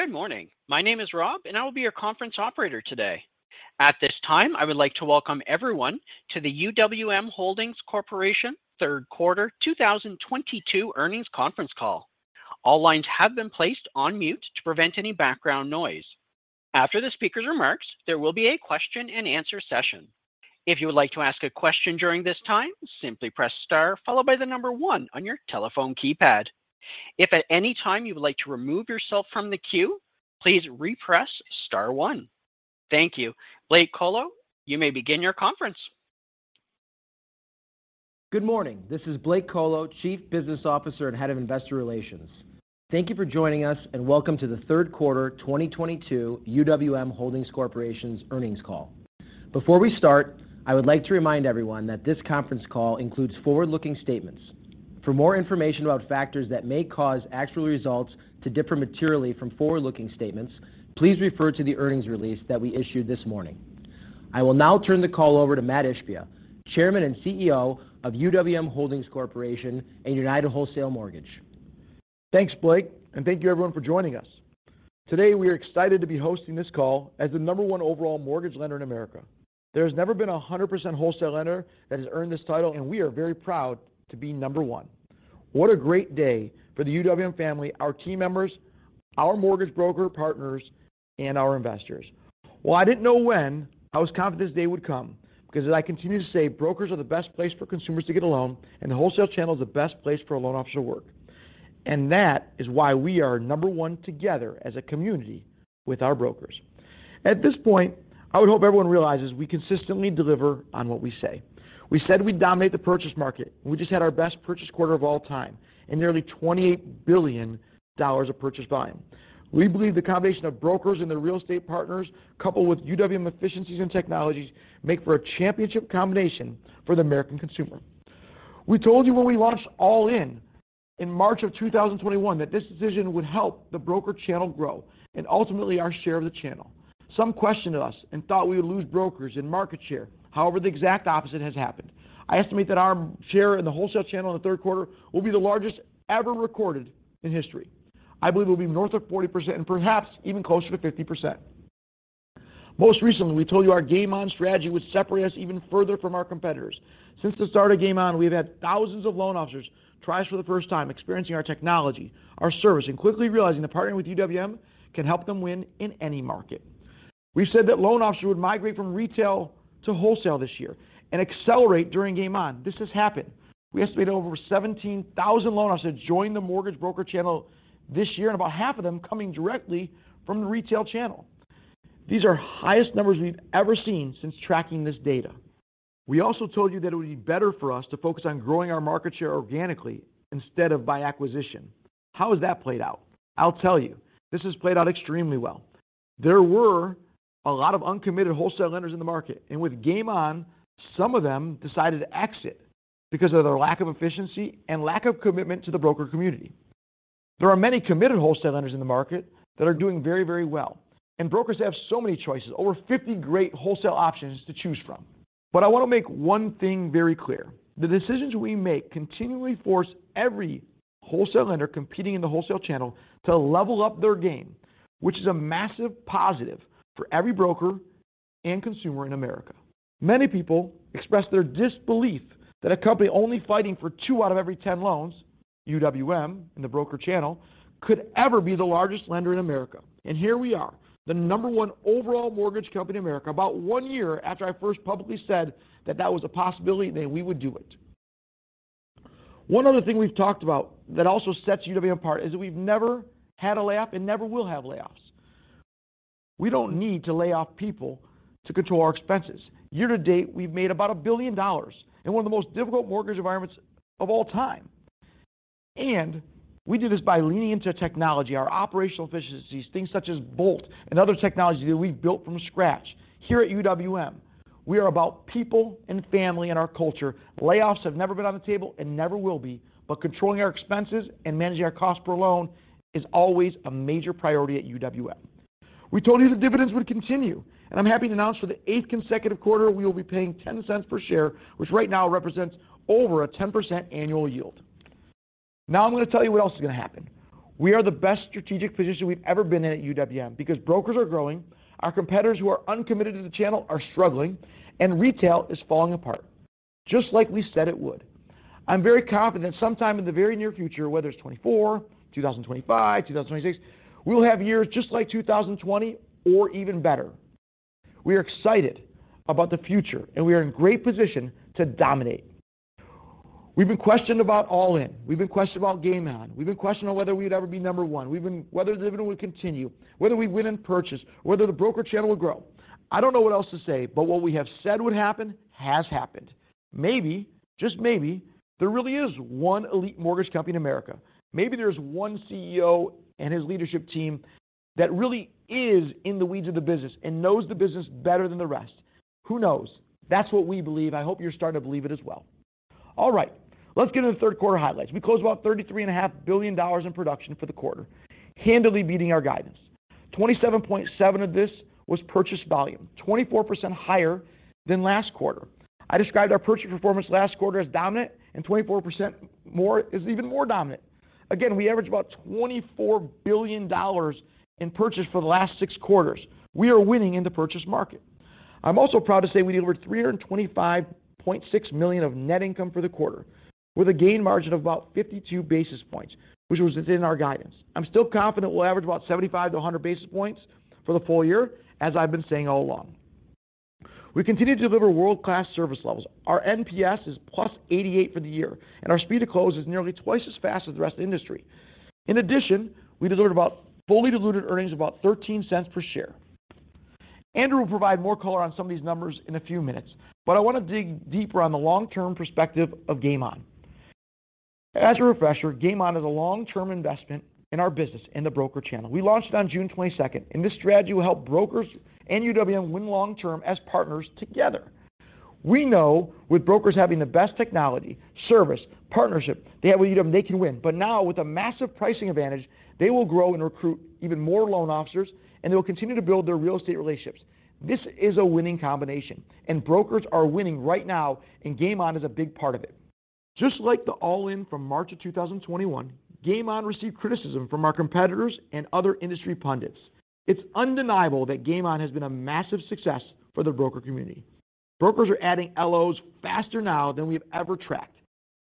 Good morning. My name is Rob, and I will be your conference operator today. At this time, I would like to welcome everyone to the UWM Holdings Corporation Third Quarter 2022 Earnings Conference Call. All lines have been placed on mute to prevent any background noise. After the speaker's remarks, there will be a question and answer session. If you would like to ask a question during this time, simply press star followed by the number one on your telephone keypad. If at any time you would like to remove yourself from the queue, please repress star one. Thank you. Blake Kolo, you may begin your conference. Good morning. This is Blake Kolo, Chief Business Officer and Head of Investor Relations. Thank you for joining us, and welcome to the third quarter 2022 UWM Holdings Corporation's earnings call. Before we start, I would like to remind everyone that this conference call includes forward-looking statements. For more information about factors that may cause actual results to differ materially from forward-looking statements, please refer to the earnings release that we issued this morning. I will now turn the call over to Mat Ishbia, Chairman and CEO of UWM Holdings Corporation and United Wholesale Mortgage. Thanks, Blake, and thank you everyone for joining us. Today, we are excited to be hosting this call as the number one overall mortgage lender in America. There has never been a 100% wholesale lender that has earned this title, and we are very proud to be number one. What a great day for the UWM family, our team members, our mortgage broker partners, and our investors. While I didn't know when, I was confident this day would come because as I continue to say, brokers are the best place for consumers to get a loan, and the wholesale channel is the best place for a loan officer to work. That is why we are number one together as a community with our brokers. At this point, I would hope everyone realizes we consistently deliver on what we say. We said we'd dominate the purchase market. We just had our best purchase quarter of all time and nearly $28 billion of purchase volume. We believe the combination of brokers and their real estate partners, coupled with UWM efficiencies and technologies, make for a championship combination for the American consumer. We told you when we launched All-In in March 2021 that this decision would help the broker channel grow and ultimately our share of the channel. Some questioned us and thought we would lose brokers and market share. However, the exact opposite has happened. I estimate that our share in the wholesale channel in the third quarter will be the largest ever recorded in history. I believe it will be north of 40% and perhaps even closer to 50%. Most recently, we told you our Game On strategy would separate us even further from our competitors. Since the start of Game On, we've had thousands of loan officers try us for the first time, experiencing our technology, our service, and quickly realizing that partnering with UWM can help them win in any market. We've said that loan officers would migrate from retail to wholesale this year and accelerate during Game On. This has happened. We estimated over 17,000 loan officers join the mortgage broker channel this year, and about half of them coming directly from the retail channel. These are highest numbers we've ever seen since tracking this data. We also told you that it would be better for us to focus on growing our market share organically instead of by acquisition. How has that played out? I'll tell you. This has played out extremely well. There were a lot of uncommitted wholesale lenders in the market, and with Game On, some of them decided to exit because of their lack of efficiency and lack of commitment to the broker community. There are many committed wholesale lenders in the market that are doing very, very well, and brokers have so many choices, over 50 great wholesale options to choose from. I want to make one thing very clear. The decisions we make continually force every wholesale lender competing in the wholesale channel to level up their game, which is a massive positive for every broker and consumer in America. Many people express their disbelief that a company only fighting for two out of every 10 loans, UWM and the broker channel, could ever be the largest lender in America. Here we are, the number one overall mortgage company in America, about one year after I first publicly said that that was a possibility, and we would do it. One other thing we've talked about that also sets UWM apart is that we've never had a layoff and never will have layoffs. We don't need to lay off people to control our expenses. Year to date, we've made about $1 billion in one of the most difficult mortgage environments of all time. We do this by leaning into technology, our operational efficiencies, things such as Bolt and other technologies that we've built from scratch. Here at UWM, we are about people and family in our culture. Layoffs have never been on the table and never will be. Controlling our expenses and managing our cost per loan is always a major priority at UWM. We told you the dividends would continue, and I'm happy to announce for the eighth consecutive quarter, we will be paying $0.10 per share, which right now represents over a 10% annual yield. Now I'm gonna tell you what else is gonna happen. We are the best strategic position we've ever been in at UWM because brokers are growing, our competitors who are uncommitted to the channel are struggling, and retail is falling apart, just like we said it would. I'm very confident sometime in the very near future, whether it's 2024, 2025, 2026, we will have years just like 2020 or even better. We are excited about the future, and we are in great position to dominate. We've been questioned about All-In. We've been questioned about Game On. We've been questioned on whether we'd ever be number one. Whether the dividend would continue, whether we win in purchase, whether the broker channel will grow. I don't know what else to say, but what we have said would happen has happened. Maybe, just maybe, there really is one elite mortgage company in America. Maybe there's one CEO and his leadership team that really is in the weeds of the business and knows the business better than the rest. Who knows? That's what we believe. I hope you're starting to believe it as well. All right. Let's get into the third quarter highlights. We closed about $33.5 billion in production for the quarter, handily beating our guidance. 27.7 of this was purchase volume, 24% higher than last quarter. I described our purchase performance last quarter as dominant, and 24% more is even more dominant. Again, we averaged about $24 billion in purchase for the last six quarters. We are winning in the purchase market. I'm also proud to say we delivered $325.6 million of net income for the quarter with a gain margin of about 52 basis points, which was within our guidance. I'm still confident we'll average about 75-100 basis points for the full year, as I've been saying all along. We continue to deliver world-class service levels. Our NPS is +88 for the year, and our speed to close is nearly twice as fast as the rest of the industry. In addition, we delivered about fully diluted earnings of about $0.13 per share. Andrew will provide more color on some of these numbers in a few minutes, but I want to dig deeper on the long-term perspective of Game On. As a refresher, Game On is a long-term investment in our business in the broker channel. We launched it on June 22, and this strategy will help brokers and UWM win long-term as partners together. We know with brokers having the best technology, service, partnership they have with UWM, they can win. Now with a massive pricing advantage, they will grow and recruit even more loan officers, and they will continue to build their real estate relationships. This is a winning combination, and brokers are winning right now, and Game On is a big part of it. Just like the All-In from March of 2021, Game On received criticism from our competitors and other industry pundits. It's undeniable that Game On has been a massive success for the broker community. Brokers are adding LOs faster now than we have ever tracked.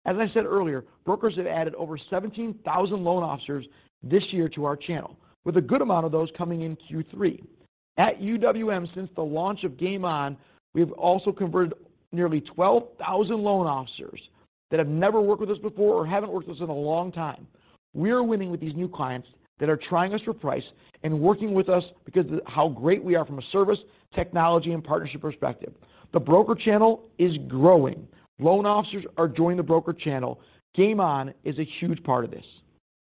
As I said earlier, brokers have added over 17,000 loan officers this year to our channel with a good amount of those coming in Q3. At UWM, since the launch of Game On, we have also converted nearly 12,000 loan officers that have never worked with us before or haven't worked with us in a long time. We are winning with these new clients that are trying us for price and working with us because of how great we are from a service, technology, and partnership perspective. The broker channel is growing. Loan officers are joining the broker channel. Game On is a huge part of this.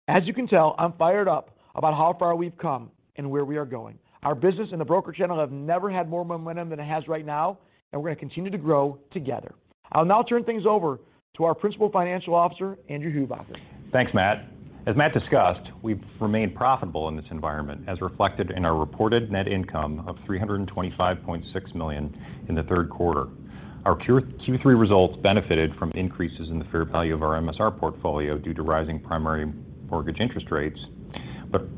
As you can tell, I'm fired up about how far we've come and where we are going. Our business and the broker channel have never had more momentum than it has right now, and we're going to continue to grow together. I'll now turn things over to our Principal Financial Officer, Andrew Hubacker. Thanks, Mat. As Mat discussed, we've remained profitable in this environment, as reflected in our reported net income of $325.6 million in the third quarter. Our Q3 results benefited from increases in the fair value of our MSR portfolio due to rising primary mortgage interest rates.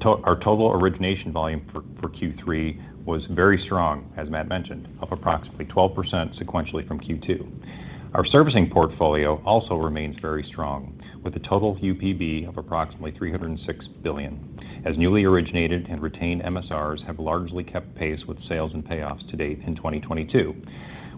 Our total origination volume for Q3 was very strong, as Mat mentioned, up approximately 12% sequentially from Q2. Our servicing portfolio also remains very strong, with a total UPB of approximately $306 billion, as newly originated and retained MSRs have largely kept pace with sales and payoffs to date in 2022.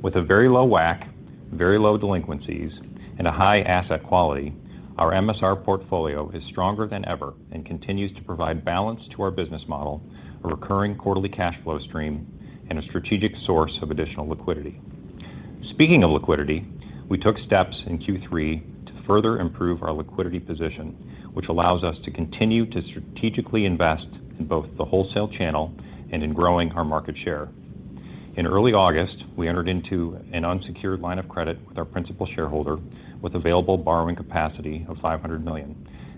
With a very low WAC, very low delinquencies, and a high asset quality, our MSR portfolio is stronger than ever and continues to provide balance to our business model, a recurring quarterly cash flow stream, and a strategic source of additional liquidity. Speaking of liquidity, we took steps in Q3 to further improve our liquidity position, which allows us to continue to strategically invest in both the wholesale channel and in growing our market share. In early August, we entered into an unsecured line of credit with our principal shareholder with available borrowing capacity of $500 million.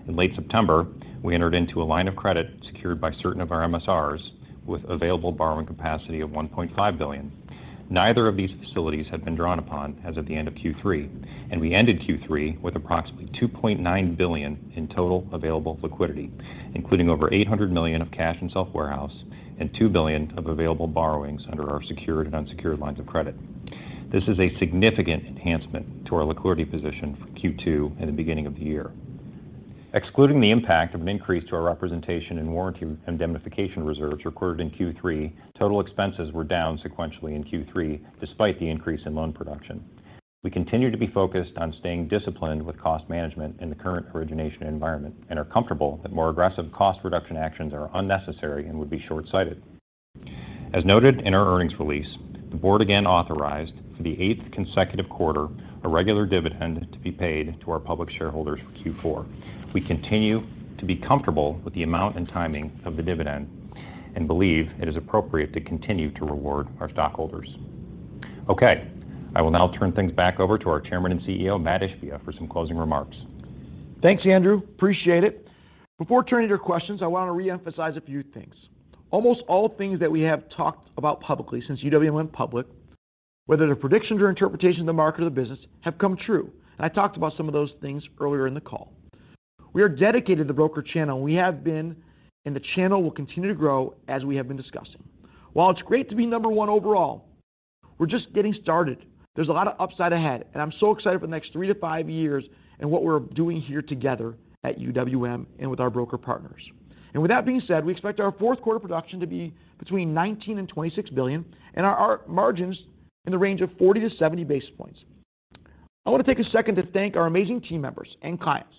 In late September, we entered into a line of credit secured by certain of our MSRs with available borrowing capacity of $1.5 billion. Neither of these facilities have been drawn upon as of the end of Q3, and we ended Q3 with approximately $2.9 billion in total available liquidity, including over $800 million of cash and self-warehouse and $2 billion of available borrowings under our secured and unsecured lines of credit. This is a significant enhancement to our liquidity position for Q2 and the beginning of the year. Excluding the impact of an increase to our representation and warranty and indemnification reserves recorded in Q3, total expenses were down sequentially in Q3 despite the increase in loan production. We continue to be focused on staying disciplined with cost management in the current origination environment and are comfortable that more aggressive cost reduction actions are unnecessary and would be short-sighted. As noted in our earnings release, the board again authorized for the eighth consecutive quarter a regular dividend to be paid to our public shareholders for Q4. We continue to be comfortable with the amount and timing of the dividend and believe it is appropriate to continue to reward our stockholders. Okay, I will now turn things back over to our Chairman and CEO, Mat Ishbia, for some closing remarks. Thanks, Andrew. Appreciate it. Before turning to your questions, I want to reemphasize a few things. Almost all things that we have talked about publicly since UWM went public, whether they're predictions or interpretation of the market or the business, have come true. I talked about some of those things earlier in the call. We are dedicated to the broker channel. We have been, and the channel will continue to grow as we have been discussing. While it's great to be number one overall, we're just getting started. There's a lot of upside ahead, and I'm so excited for the next three to five years and what we're doing here together at UWM and with our broker partners. With that being said, we expect our fourth quarter production to be between $19 billion and $26 billion and our margins in the range of 40-70 basis points. I want to take a second to thank our amazing team members and clients.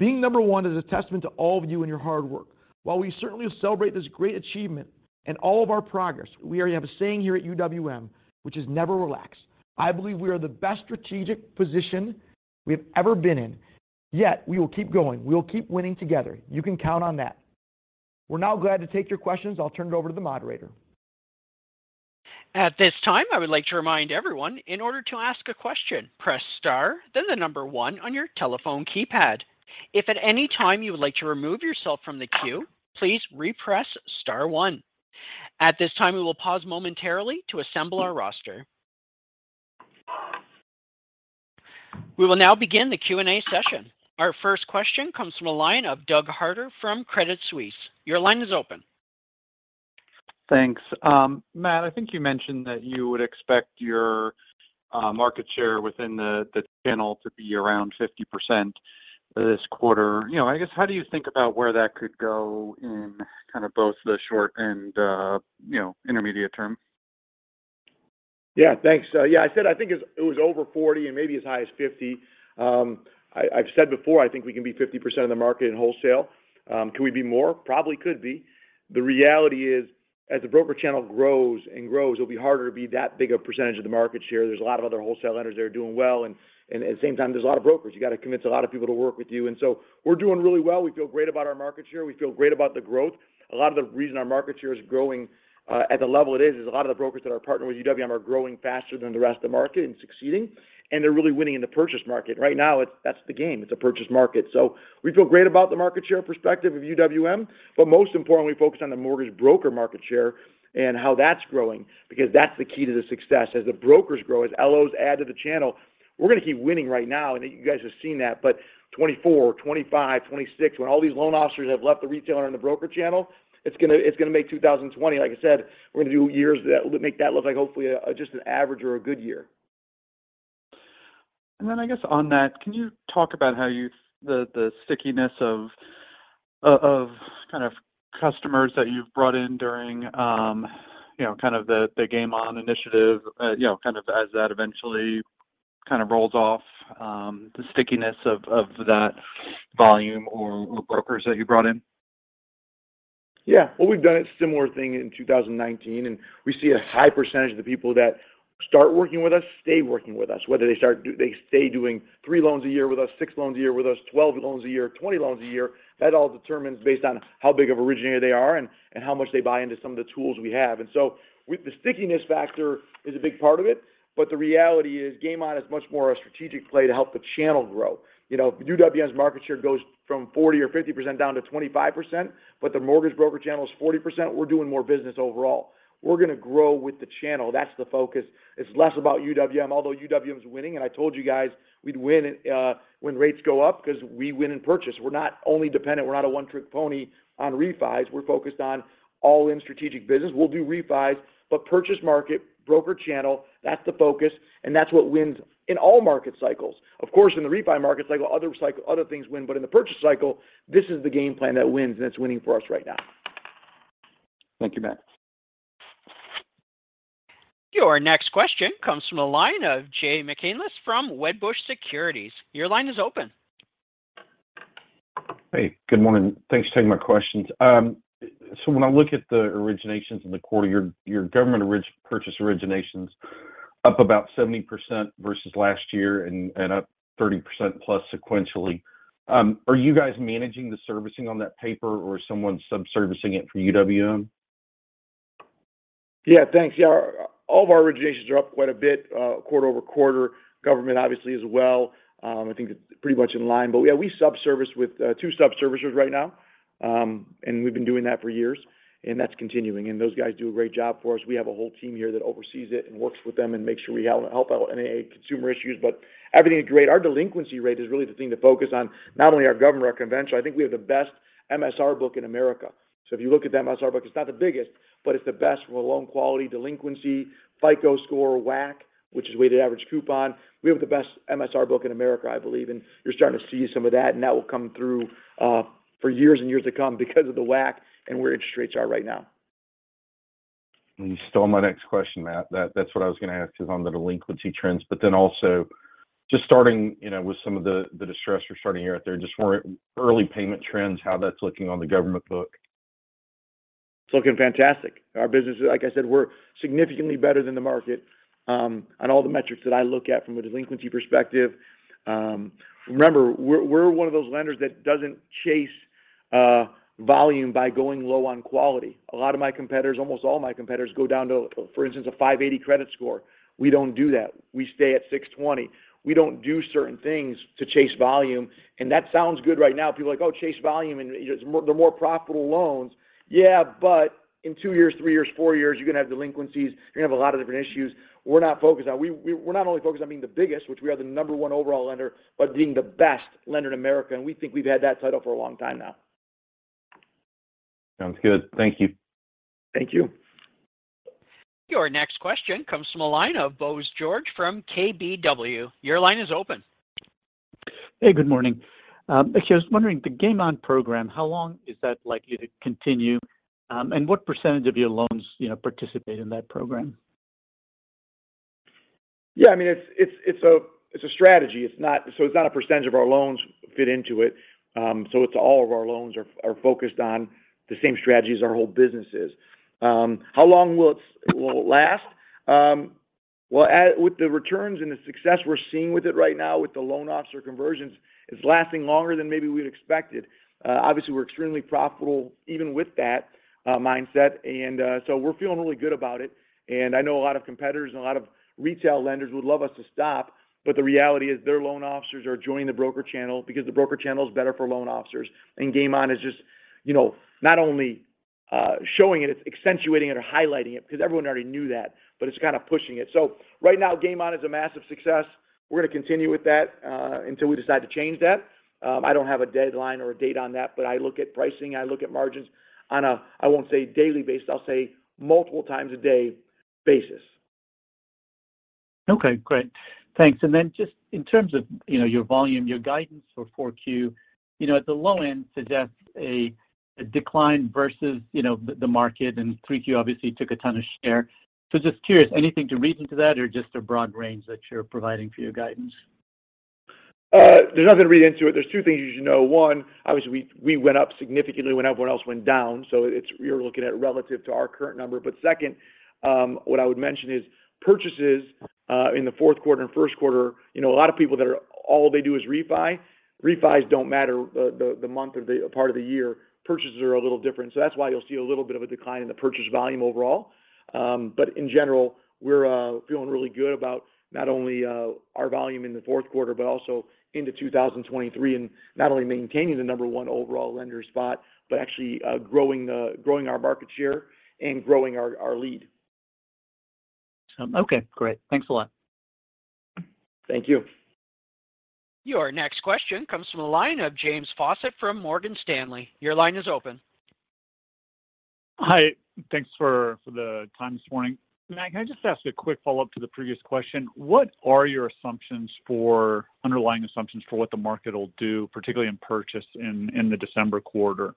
Being number one is a testament to all of you and your hard work. While we certainly celebrate this great achievement and all of our progress, we have a saying here at UWM, which is never relax. I believe we are the best strategic position we have ever been in, yet we will keep going. We will keep winning together. You can count on that. We're now glad to take your questions. I'll turn it over to the moderator. At this time, I would like to remind everyone in order to ask a question, press star, then the number one on your telephone keypad. If at any time you would like to remove yourself from the queue, please re-press star one. At this time, we will pause momentarily to assemble our roster. We will now begin the Q&A session. Our first question comes from a line of Douglas Harter from Credit Suisse. Your line is open. Thanks. Mat, I think you mentioned that you would expect your market share within the channel to be around 50% this quarter. You know, I guess, how do you think about where that could go in kind of both the short and intermediate term? Yeah, thanks. Yeah, I said I think it's, it was over 40 and maybe as high as 50. I've said before, I think we can be 50% of the market in wholesale. Can we be more? Probably could be. The reality is, as the broker channel grows and grows, it'll be harder to be that big a percentage of the market share. There's a lot of other wholesale lenders that are doing well, and at the same time, there's a lot of brokers. You got to convince a lot of people to work with you. We're doing really well. We feel great about our market share. We feel great about the growth. A lot of the reason our market share is growing at the level it is is a lot of the brokers that are partnered with UWM are growing faster than the rest of the market and succeeding, and they're really winning in the purchase market. Right now, that's the game. It's a purchase market. We feel great about the market share perspective of UWM, but most importantly, focused on the mortgage broker market share and how that's growing because that's the key to the success. As the brokers grow, as LOs add to the channel, we're gonna keep winning right now, and you guys have seen that. 2024, 2025, 2026, when all these loan officers have left the retailer in the broker channel, it's gonna make 2020, like I said, we're gonna do years that make that look like hopefully a just an average or a good year. I guess on that, can you talk about how the stickiness of customers that you've brought in during, you know, kind of the Game On initiative, you know, kind of as that eventually kind of rolls off, the stickiness of that volume or brokers that you brought in? Yeah. Well, we've done a similar thing in 2019, and we see a high percentage of the people that start working with us stay working with us, whether they stay doing three loans a year with us, six loans a year with us, 12 loans a year, 20 loans a year. That all determines based on how big of originator they are and how much they buy into some of the tools we have. With the stickiness factor is a big part of it. But the reality is Game On is much more a strategic play to help the channel grow. You know, if UWM's market share goes from 40% or 50% down to 25%, but the mortgage broker channel is 40%, we're doing more business overall. We're gonna grow with the channel. That's the focus. It's less about UWM, although UWM is winning, and I told you guys we'd win when rates go up because we win in purchase. We're not only dependent, we're not a one-trick pony on refis. We're focused on All-In strategic business. We'll do refis, but purchase market, broker channel, that's the focus, and that's what wins in all market cycles. Of course, in the refi market cycle, other cycle, other things win. In the purchase cycle, this is the game plan that wins, and it's winning for us right now. Thank you, Mat. Your next question comes from the line of Jay McCanless from Wedbush Securities. Your line is open. Hey, good morning. Thanks for taking my questions. So when I look at the originations in the quarter, your government purchase originations up about 70% versus last year and up 30% plus sequentially. Are you guys managing the servicing on that paper or someone's sub-servicing it for UWM? Yeah, thanks. Yeah, all of our originations are up quite a bit quarter-over-quarter. Government, obviously as well. I think it's pretty much in line. Yeah, we sub-service with two sub-servicers right now, and we've been doing that for years, and that's continuing. Those guys do a great job for us. We have a whole team here that oversees it and works with them and makes sure we help out any consumer issues. Everything is great. Our delinquency rate is really the thing to focus on, not only our government conforming. I think we have the best MSR book in America. If you look at the MSR book, it's not the biggest, but it's the best from a loan quality, delinquency, FICO score, WAC, which is weighted average coupon. We have the best MSR book in America, I believe, and you're starting to see some of that, and that will come through for years and years to come because of the WAC and where interest rates are right now. You stole my next question, Mat. That's what I was gonna ask is on the delinquency trends, but then also just starting, you know, with some of the distress you're starting to hear out there, just more early payment trends, how that's looking on the government book. It's looking fantastic. Our business, like I said, we're significantly better than the market, on all the metrics that I look at from a delinquency perspective. Remember, we're one of those lenders that doesn't chase volume by going low on quality. A lot of my competitors, almost all my competitors go down to, for instance, a 580 credit score. We don't do that. We stay at 620. We don't do certain things to chase volume. That sounds good right now. People are like, "Oh, chase volume, and they're more profitable loans." Yeah, but in two years, three years, four years, you're gonna have delinquencies. You're gonna have a lot of different issues. We're not only focused on being the biggest, which we are the number one overall lender, but being the best lender in America. We think we've had that title for a long time now. Sounds good. Thank you. Thank you. Your next question comes from a line of Bose George from KBW. Your line is open. Hey, good morning. I was wondering, the Game On program, how long is that likely to continue? What percentage of your loans, you know, participate in that program? Yeah, I mean, it's a strategy. It's not a percentage of our loans fit into it. It's all of our loans are focused on the same strategy as our whole business is. How long will it last? Well, with the returns and the success we're seeing with it right now with the loan officer conversions, it's lasting longer than maybe we'd expected. Obviously, we're extremely profitable even with that mindset. We're feeling really good about it. I know a lot of competitors and a lot of retail lenders would love us to stop, but the reality is their loan officers are joining the broker channel because the broker channel is better for loan officers. Game On is just, you know, not only showing it's accentuating it or highlighting it because everyone already knew that, but it's kind of pushing it. Right now, Game On is a massive success. We're going to continue with that until we decide to change that. I don't have a deadline or a date on that, but I look at pricing, I look at margins on a, I won't say daily basis, I'll say multiple times a day basis. Okay, great. Thanks. Just in terms of, you know, your volume, your guidance for four Q, you know, at the low end suggests a decline versus, you know, the market and three Q obviously took a ton of share. Just curious, anything to read into that or just a broad range that you're providing for your guidance? There's nothing to read into it. There's two things you should know. One, obviously we went up significantly when everyone else went down, so we're looking at relative to our current number. Second, what I would mention is purchases in the fourth quarter and first quarter, you know, a lot of people that are all they do is refi. Refis don't matter the month of the part of the year. Purchases are a little different. That's why you'll see a little bit of a decline in the purchase volume overall. In general, we're feeling really good about not only our volume in the fourth quarter, but also into 2023. Not only maintaining the number one overall lender spot, but actually growing our market share and growing our lead. Okay, great. Thanks a lot. Thank you. Your next question comes from the line of James Faucette from Morgan Stanley. Your line is open. Hi. Thanks for the time this morning. Mat, can I just ask a quick follow-up to the previous question? What are your assumptions for underlying assumptions for what the market will do, particularly in purchase in the December quarter?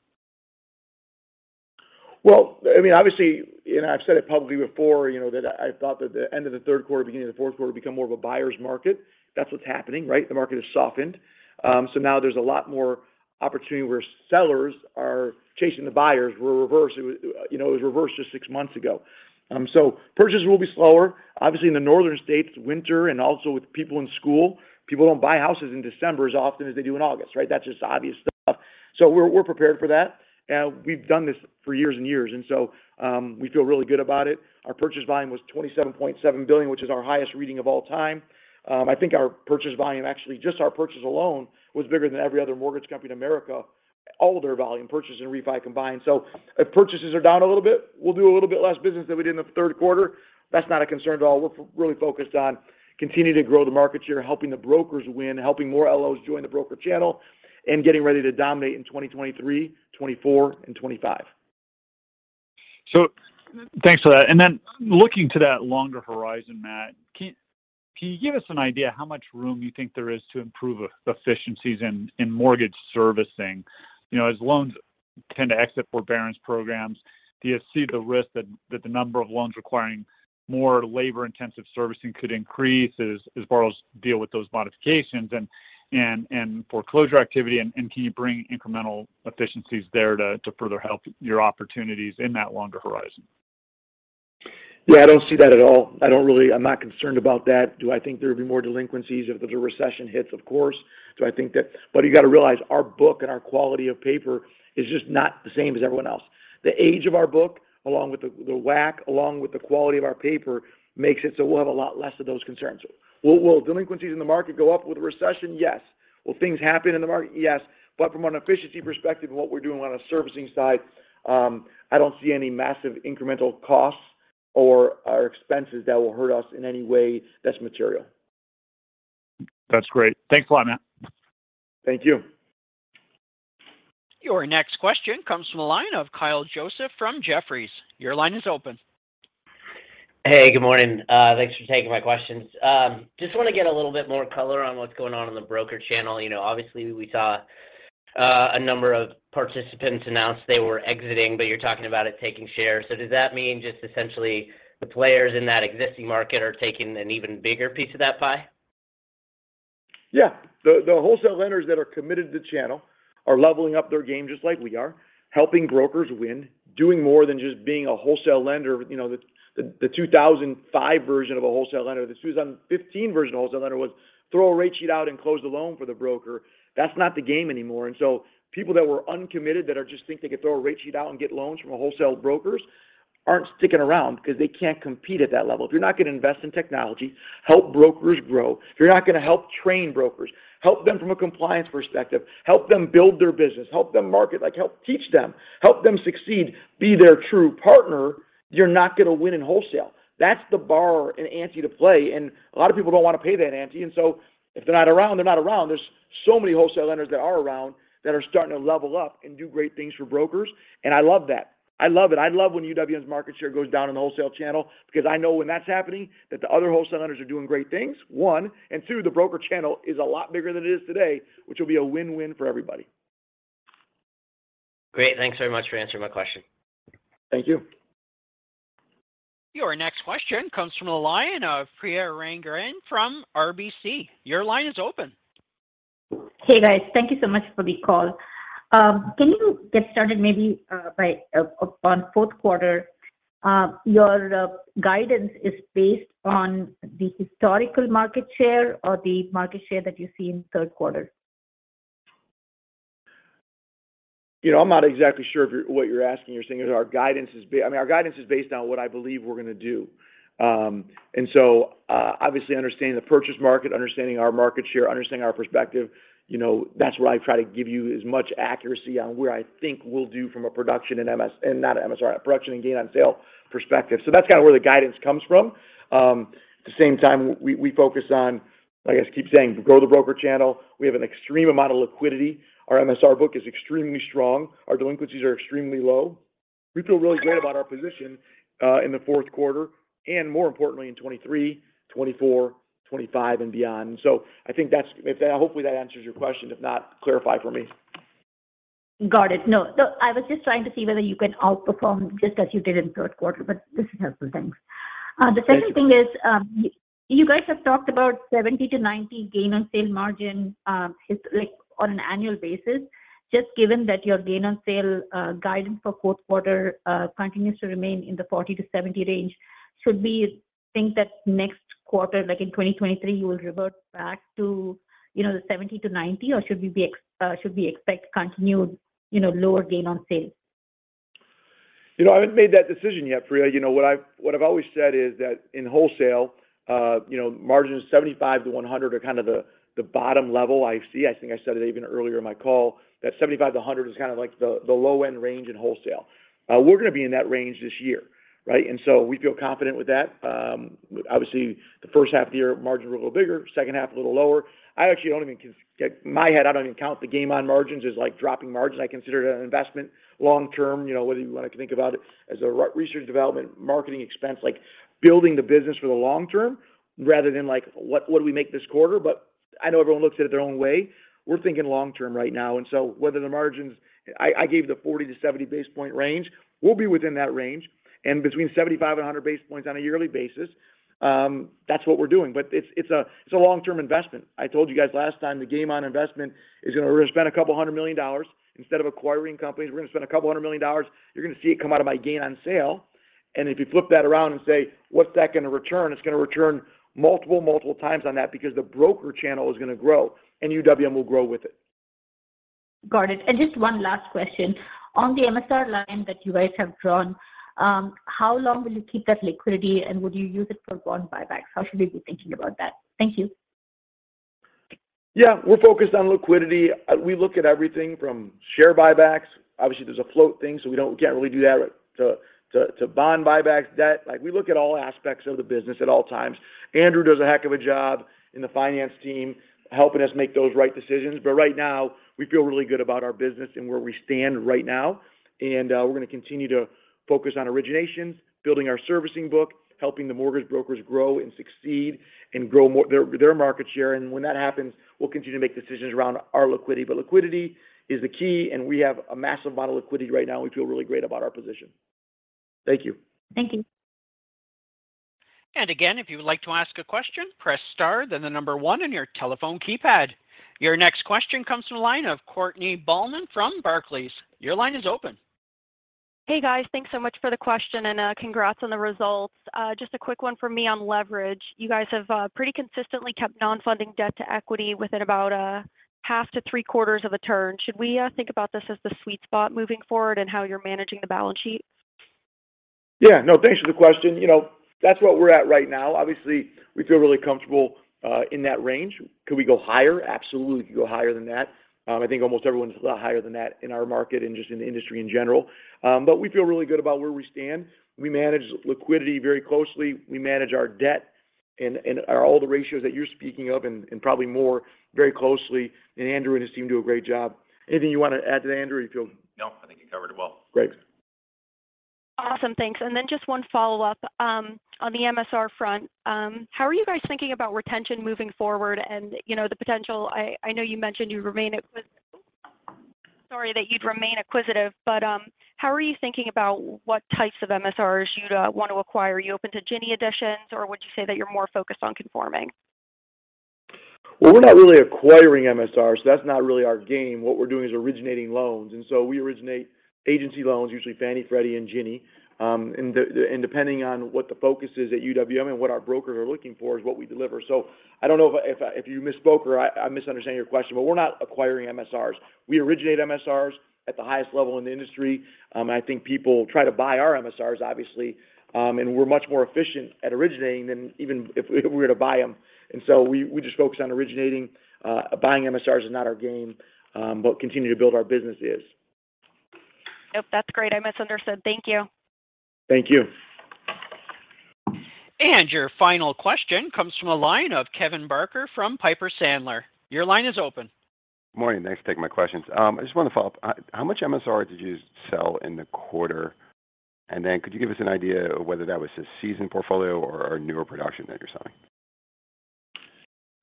Well, I mean, obviously, and I've said it publicly before, you know, that I thought that the end of the third quarter, beginning of the fourth quarter become more of a buyer's market. That's what's happening, right? The market has softened. Now there's a lot more opportunity where sellers are chasing the buyers. We're reverse. You know, it was reversed just six months ago. Purchases will be slower. Obviously in the northern states, winter and also with people in school, people don't buy houses in December as often as they do in August, right? That's just obvious stuff. We're prepared for that. We've done this for years and years, and so we feel really good about it. Our purchase volume was $27.7 billion, which is our highest reading of all time. I think our purchase volume, actually just our purchase alone was bigger than every other mortgage company in America, all of their volume purchase and refi combined. If purchases are down a little bit, we'll do a little bit less business than we did in the third quarter. That's not a concern at all. We're really focused on continuing to grow the market share, helping the brokers win, helping more LOs join the broker channel, and getting ready to dominate in 2023, 2024 and 2025. Thanks for that. Then looking to that longer horizon, Mat, can you give us an idea how much room you think there is to improve efficiencies in mortgage servicing? You know, as loans tend to exit forbearance programs, do you see the risk that the number of loans requiring more labor-intensive servicing could increase as borrowers deal with those modifications and foreclosure activity? Can you bring incremental efficiencies there to further help your opportunities in that longer horizon? Yeah, I don't see that at all. I'm not concerned about that. Do I think there would be more delinquencies if the recession hits? Of course. You got to realize our book and our quality of paper is just not the same as everyone else. The age of our book, along with the WAC, along with the quality of our paper, makes it so we'll have a lot less of those concerns. Will delinquencies in the market go up with a recession? Yes. Will things happen in the market? Yes. From an efficiency perspective and what we're doing on a servicing side, I don't see any massive incremental costs or expenses that will hurt us in any way that's material. That's great. Thanks a lot, Mat. Thank you. Your next question comes from the line of Kyle Joseph from Jefferies. Your line is open. Hey, good morning. Thanks for taking my questions. Just want to get a little bit more color on what's going on in the broker channel. You know, obviously we saw a number of participants announce they were exiting, but you're talking about it taking share. Does that mean just essentially the players in that existing market are taking an even bigger piece of that pie? Yeah. The wholesale lenders that are committed to the channel are leveling up their game just like we are, helping brokers win, doing more than just being a wholesale lender. You know, the 2005 version of a wholesale lender. The 2015 version of a wholesale lender was throw a rate sheet out and close the loan for the broker. That's not the game anymore. People that were uncommitted that are just think they could throw a rate sheet out and get loans from a wholesale brokers aren't sticking around because they can't compete at that level. If you're not going to invest in technology, help brokers grow, if you're not going to help train brokers, help them from a compliance perspective, help them build their business, help them market, like help teach them, help them succeed, be their true partner, you're not going to win in wholesale. That's the bar and ante to play. A lot of people don't want to pay that ante. If they're not around, they're not around. There's so many wholesale lenders that are around that are starting to level up and do great things for brokers. I love that. I love it. I love when UWM's market share goes down in the wholesale channel because I know when that's happening that the other wholesale lenders are doing great things, one, and two, the broker channel is a lot bigger than it is today, which will be a win-win for everybody. Great. Thanks very much for answering my question. Thank you. Your next question comes from the line of Priya Rangarajan from RBC. Your line is open. Hey, guys. Thank you so much for the call. Can you get started maybe by on fourth quarter? Your guidance is based on the historical market share or the market share that you see in third quarter? You know, I'm not exactly sure what you're asking. You're saying is our guidance is based on what I believe we're going to do. Obviously understanding the purchase market, understanding our market share, understanding our perspective, you know, that's where I try to give you as much accuracy on where I think we'll do from a production and gain on sale perspective. That's kind of where the guidance comes from. At the same time, we focus on, like I keep saying, grow the broker channel. We have an extreme amount of liquidity. Our MSR book is extremely strong. Our delinquencies are extremely low. We feel really good about our position in the fourth quarter and more importantly in 2023, 2024, 2025 and beyond. I think that hopefully answers your question. If not, clarify for me. Got it. No. I was just trying to see whether you can outperform just as you did in third quarter, but this is helpful. Thanks. Great. The second thing is, you guys have talked about 70-90 gain on sale margin, like on an annual basis. Just given that your gain on sale guidance for fourth quarter continues to remain in the 40-70 range, should we think that next quarter, like in 2023, you will revert back to, you know, the 70-90, or should we expect continued, you know, lower gain on sales? You know, I haven't made that decision yet, Priya. You know what I've always said is that in wholesale, you know, margins 75-100 are kind of the bottom level I see. I think I said it even earlier in my call that 75-100 is kind of like the low-end range in wholesale. We're going to be in that range this year, right? We feel confident with that. Obviously the first half of the year margins were a little bigger, second half a little lower. I actually don't even like, in my head, I don't even count the gain on sale margins as like dropping margins. I consider it an investment long term. You know, whether you want to think about it as a research development marketing expense, like building the business for the long-term rather than like, what do we make this quarter. I know everyone looks at it their own way. We're thinking long-term right now, and so whether the margins, I gave the 40-70 basis points range. We'll be within that range and between 75 and 100 basis points on a yearly basis. That's what we're doing. It's a long-term investment. I told you guys last time, we're going to spend $200 million. Instead of acquiring companies, we're going to spend $200 million. You're going to see it come out of my gain on sale. If you flip that around and say, what's that going to return? It's going to return multiple times on that because the broker channel is going to grow, and UWM will grow with it. Got it. Just one last question. On the MSR line that you guys have drawn, how long will you keep that liquidity, and would you use it for bond buybacks? How should we be thinking about that? Thank you. Yeah. We're focused on liquidity. We look at everything from share buybacks. Obviously, there's a float thing, so we can't really do that to bond buybacks, debt. Like, we look at all aspects of the business at all times. Andrew does a heck of a job in the finance team helping us make those right decisions. Right now we feel really good about our business and where we stand right now. We're going to continue to focus on originations, building our servicing book, helping the mortgage brokers grow and succeed and grow more their market share. When that happens, we'll continue to make decisions around our liquidity. Liquidity is the key, and we have a massive amount of liquidity right now, and we feel really great about our position. Thank you. Thank you. Again, if you would like to ask a question, press star, then the number one on your telephone keypad. Your next question comes from the line of Mark DeVries from Barclays. Your line is open. Hey, guys. Thanks so much for the question and, congrats on the results. Just a quick one for me on leverage. You guys have pretty consistently kept non-funding debt to equity within about a half to three quarters of a turn. Should we think about this as the sweet spot moving forward in how you're managing the balance sheet? Yeah. No, thanks for the question. You know, that's what we're at right now. Obviously, we feel really comfortable in that range. Could we go higher? Absolutely, we could go higher than that. I think almost everyone's a lot higher than that in our market and just in the industry in general. But we feel really good about where we stand. We manage liquidity very closely. We manage our debt and all the ratios that you're speaking of and probably more very closely. Andrew and his team do a great job. Anything you want to add to that, Andrew? No, I think you covered it well. Great. Awesome. Thanks. Then just one follow-up on the MSR front. How are you guys thinking about retention moving forward and, you know, the potential. I know you mentioned that you'd remain acquisitive, but how are you thinking about what types of MSRs you'd want to acquire? Are you open to Ginnie additions, or would you say that you're more focused on conforming? Well, we're not really acquiring MSRs. That's not really our game. What we're doing is originating loans, and so we originate agency loans, usually Fannie, Freddie and Ginnie. Depending on what the focus is at UWM and what our brokers are looking for is what we deliver. I don't know if you misspoke or I misunderstand your question, but we're not acquiring MSRs. We originate MSRs at the highest level in the industry. I think people try to buy our MSRs obviously. We're much more efficient at originating than even if we were to buy them. We just focus on originating. Buying MSRs is not our game. Continue to build our business is. Nope, that's great. I misunderstood. Thank you. Thank you. Your final question comes from a line of Kevin Barker from Piper Sandler. Your line is open. Morning. Thanks for taking my questions. I just want to follow up. How much MSR did you sell in the quarter? Could you give us an idea of whether that was a seasoned portfolio or newer production that you're selling?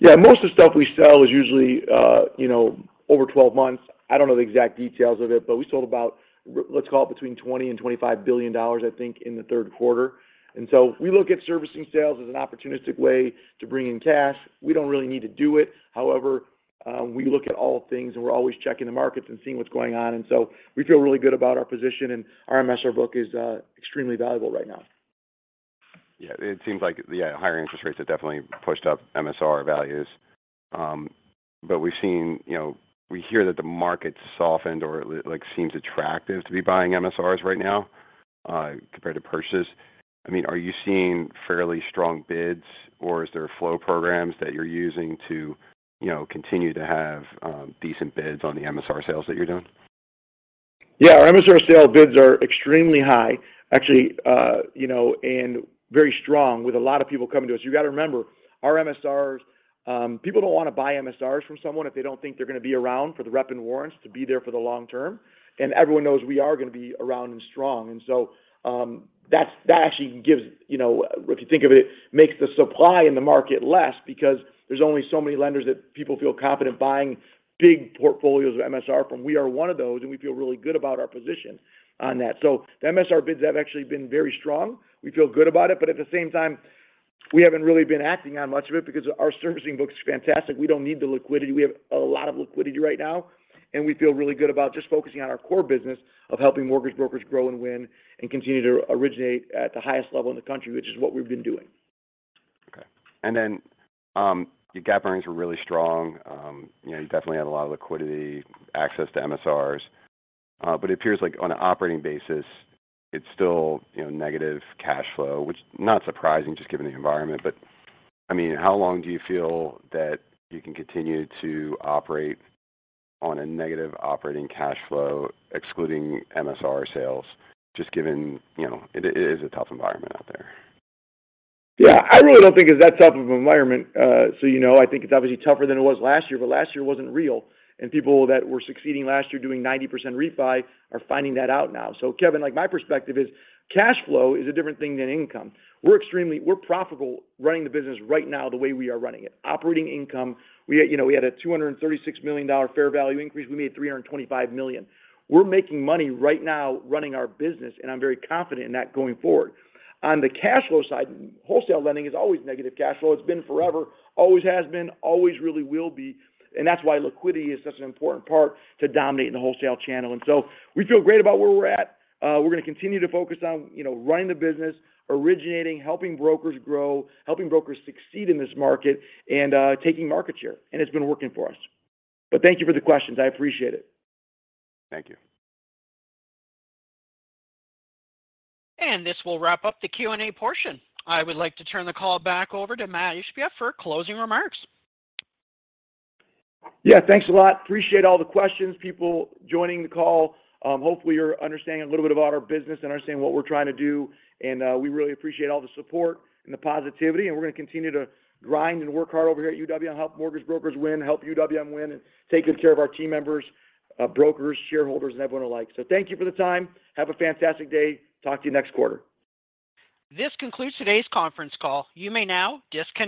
Yeah. Most of the stuff we sell is usually, you know, over 12 months. I don't know the exact details of it, but we sold about, let's call it between $20 billion and $25 billion, I think, in the third quarter. We look at servicing sales as an opportunistic way to bring in cash. We don't really need to do it. However, we look at all things, and we're always checking the markets and seeing what's going on. We feel really good about our position, and our MSR book is extremely valuable right now. Yeah. It seems like, yeah, higher interest rates have definitely pushed up MSR values. We've seen, you know, we hear that the market's softened or like seems attractive to be buying MSRs right now, compared to purchase. I mean, are you seeing fairly strong bids, or is there flow programs that you're using to, you know, continue to have decent bids on the MSR sales that you're doing? Yeah, our MSR sale bids are extremely high. Actually, you know, and very strong with a lot of people coming to us. You gotta remember our MSRs, people don't wanna buy MSRs from someone if they don't think they're gonna be around for the reps and warrants to be there for the long term. Everyone knows we are gonna be around and strong. That actually gives, you know, if you think of it, makes the supply in the market less because there's only so many lenders that people feel confident buying big portfolios of MSR from. We are one of those, and we feel really good about our position on that. The MSR bids have actually been very strong. We feel good about it, but at the same time, we haven't really been acting on much of it because our servicing book's fantastic. We don't need the liquidity. We have a lot of liquidity right now, and we feel really good about just focusing on our core business of helping mortgage brokers grow and win and continue to originate at the highest level in the country, which is what we've been doing. Okay. Your GAAP earnings were really strong. You know, you definitely had a lot of liquidity access to MSRs. It appears like on an operating basis, it's still, you know, negative cash flow, which not surprising just given the environment. I mean, how long do you feel that you can continue to operate on a negative operating cash flow excluding MSR sales? Just given, you know, it is a tough environment out there. Yeah. I really don't think it's that tough of an environment. You know, I think it's obviously tougher than it was last year, but last year wasn't real. People that were succeeding last year doing 90% refi are finding that out now. Kevin, like, my perspective is cash flow is a different thing than income. We're profitable running the business right now the way we are running it. Operating income, you know, we had a $236 million fair value increase. We made $325 million. We're making money right now running our business, and I'm very confident in that going forward. On the cash flow side, wholesale lending is always negative cash flow. It's been forever, always has been, always really will be. That's why liquidity is such an important part to dominate in the wholesale channel. We feel great about where we're at. We're gonna continue to focus on, you know, running the business, originating, helping brokers grow, helping brokers succeed in this market, and taking market share, and it's been working for us. Thank you for the questions. I appreciate it. Thank you. This will wrap up the Q&A portion. I would like to turn the call back over to Mat Ishbia for closing remarks. Yeah. Thanks a lot. Appreciate all the questions, people joining the call. Hopefully you're understanding a little bit about our business and understanding what we're trying to do. We really appreciate all the support and the positivity, and we're gonna continue to grind and work hard over here at UWM, help mortgage brokers win, help UWM win, and taking care of our team members, brokers, shareholders, and everyone alike. Thank you for the time. Have a fantastic day. Talk to you next quarter. This concludes today's conference call. You may now disconnect.